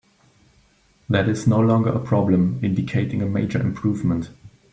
That is no longer a problem, indicating a major improvement.